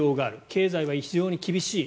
経済は非常に厳しい。